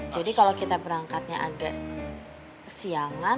jadi kalau kita berangkatnya ada siangan